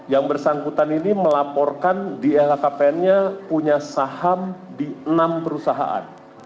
yang bersangkutan ini melaporkan di lhkpn nya punya saham di enam perusahaan